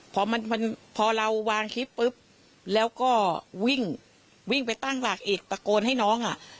พอมันพอเราวางคลิปปุ๊บแล้วก็วิ่งวิ่งไปตั้งหลักอีกตะโกนให้น้องอ่ะ